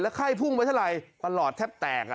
ไข้พุ่งไปเท่าไหร่ประหลอดแทบแตก